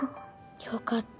よかった。